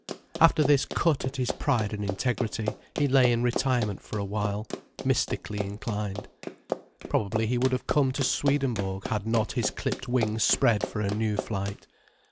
After this cut at his pride and integrity he lay in retirement for a while, mystically inclined. Probably he would have come to Swedenborg, had not his clipt wings spread for a new flight.